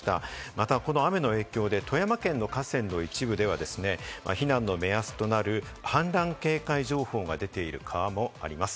またこの雨の影響で富山県の河川の一部ではですね、避難の目安となる氾濫警戒情報が出ている川もあります。